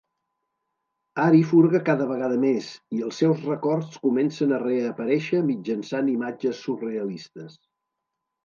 Ari furga cada vegada més i els seus records comencen a reaparèixer mitjançant imatges surrealistes.